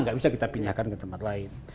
gak bisa kita pinjahkan ke tempat lain